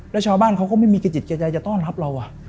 แล้วชาวบ้านเขาก็ไม่มีกระจิตกระใจจะต้อนรับเรา